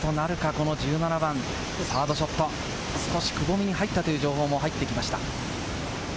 この１７番、サードショット、少し、くぼみに入ったという情報も入ってきました。